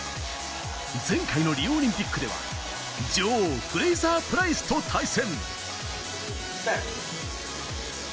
前回のリオオリンピックでは女王、フレイザー・プライスと対戦。